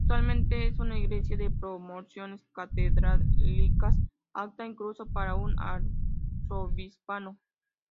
Actualmente es una iglesia de proporciones catedralicias apta incluso para un Arzobispado.